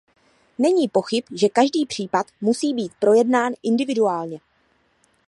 Není pochyb, že každý případ musí být projednán individuálně.